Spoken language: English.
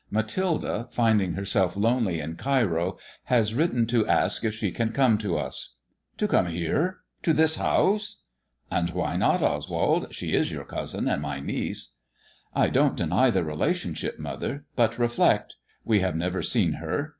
Mathilde, finding herself lonely n Cairo, has written to ask if she can come to us." To come here I To this house ?"And why not, Oswald ? She is your cousin and my niece." "I don't deny the relationship, mother. But reflect. ¥e have never seen her.